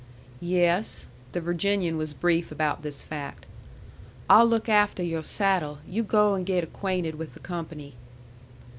"Yes." The Virginian was brief about this fact. "I'll look afteh your saddle. You go and get acquainted with the company."